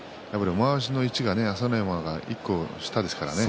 まわしの位置がね朝乃山１個下ですからね。